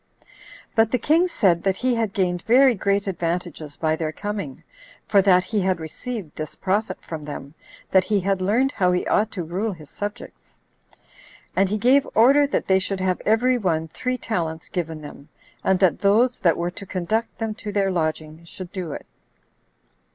But the king said that he had gained very great advantages by their coming, for that he had received this profit from them, that he had learned how he ought to rule his subjects. And he gave order that they should have every one three talents given them, and that those that were to conduct them to their lodging should do it.